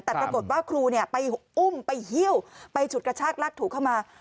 แต่ปรากฏว่าครูไปอุ้มไปหิ้วไปฉุดกระชากลากถูเข้ามา